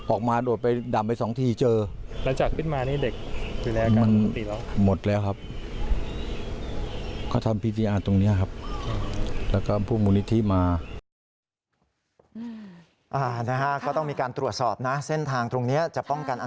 ออกมาโดดไปดำไปสองทีเจอ